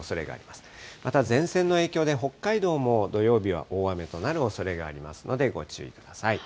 また前線の影響で北海道も土曜日は大雨となるおそれがありますのでご注意ください。